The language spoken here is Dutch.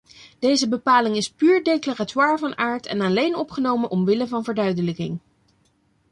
Deze bepaling is puur declaratoir van aard en alleen opgenomen omwille van verduidelijking.